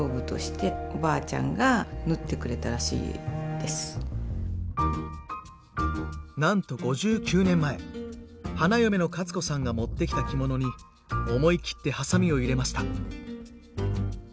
この赤いのがなんと５９年前花嫁のカツ子さんが持ってきた着物に思い切ってはさみを入れました。